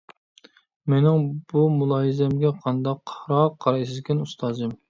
مېنىڭ بۇ مۇلاھىزەمگە قانداقراق قارايسىزكىن، ئۇستازىم؟